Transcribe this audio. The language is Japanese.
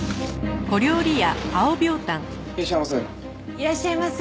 いらっしゃいませ。